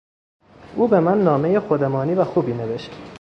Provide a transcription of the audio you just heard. او به من نامهی خودمانی و خوبی نوشت.